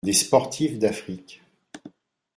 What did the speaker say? Des sportives d’Afrique.